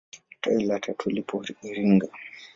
Tawi la tatu lipo Iringa.